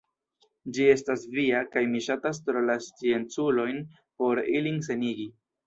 Ĝi estas via, kaj mi ŝatas tro la scienculojn por ilin senigi.